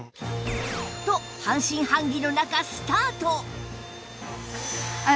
と半信半疑の中スタート